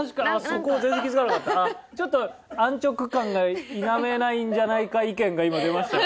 ちょっと安直感が否めないんじゃないか意見が今出ました。